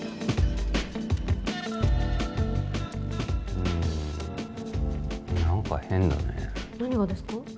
うん何か変だね何がですか？